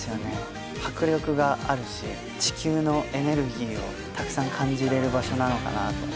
迫力があるし地球のエネルギーをたくさん感じれる場所なのかなと。